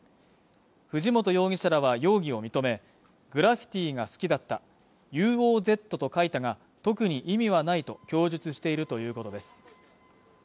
藤本容疑者らは容疑を認めグラフィティが好きだった「ＵＯＺ」と書いたが特に意味はないと供述しているということです